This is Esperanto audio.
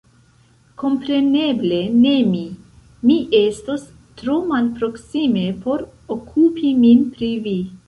Kompreneble ne mi ; mi estos tro malproksime por okupi min pri vi.